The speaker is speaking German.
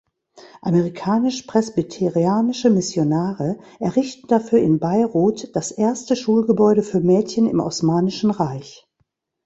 Amerikanisch-presbyterianische Missionare errichten dafür in Beirut das erste Schulgebäude für Mädchen im Osmanischen Reich.